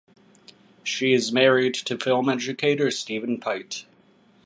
She is married to film educator Stephen Pite.